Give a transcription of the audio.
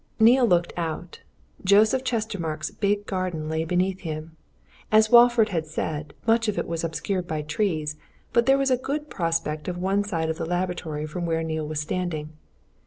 Neale looked out. Joseph Chestermarke's big garden lay beneath him. As Walford had said, much of it was obscured by trees, but there was a good prospect of one side of the laboratory from where Neale was standing.